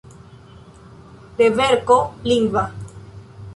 Reverko lingva.